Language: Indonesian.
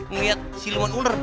ngeliat siluman ular